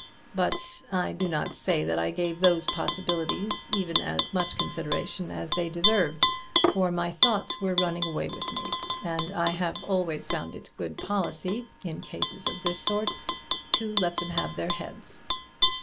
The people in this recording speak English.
But I do not say that I gave those possibilities even as much consideration as they deserved; for my thoughts were running away with me; and I have always found it good policy, in cases of this sort, to let them have their heads.